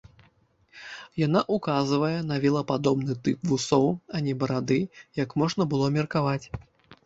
Яна ўказвае на вілападобны тып вусоў, а не барады, як можна было меркаваць.